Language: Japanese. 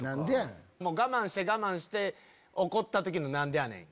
我慢して我慢して怒った時の「何でやねん」。